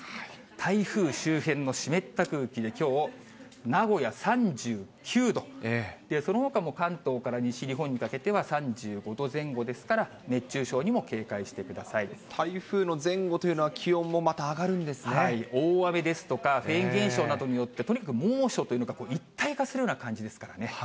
台風周辺の湿った空気で、きょう、名古屋３９度、そのほかも関東から西日本にかけては３５度前後ですから、熱中症台風の前後というのは、大雨ですとか、フェーン現象などによって、とにかく猛暑というのが一体化するような感じですからね。